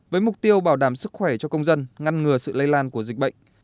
với mục tiêu bảo đảm sức khỏe cho công dân ngăn ngừa sự lây lan của dịch bệnh